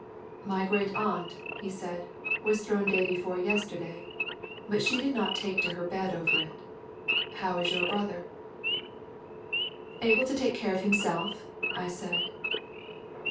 "My great aunt," he said, "was thrown day before yesterday, but she did not take to her bed over it. How is your brother?" "Able to take care of himself," I said.